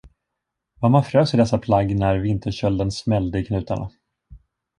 Vad man frös i dessa plagg när vinterkölden smällde i knutarna!